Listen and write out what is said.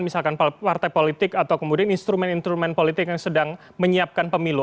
misalkan partai politik atau kemudian instrumen instrumen politik yang sedang menyiapkan pemilu